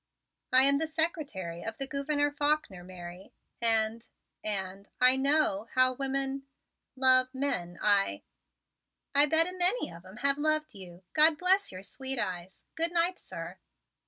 "I am the secretary of the Gouverneur Faulkner, Mary, and and I know how women love men. I " "I bet a many of 'em have loved you, God bless your sweet eyes. Good night, sir!"